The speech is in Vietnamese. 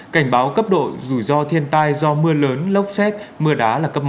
cảnh báo cấp độ rủi ro thiên tai do mưa lớn lốc xét mưa đá là cấp một